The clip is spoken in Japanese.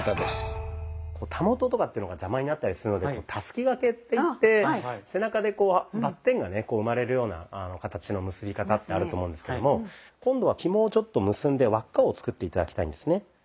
たもととかっていうのが邪魔になったりするのでたすき掛けっていって背中でバッテンがね生まれるような形の結び方ってあると思うんですけども今度はひもをちょっと結んで輪っかを作って頂きたいんですね。